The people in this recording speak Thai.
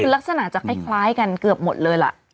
คือลักษณะจะคล้ายกันเกือบหมดเลยล่ะ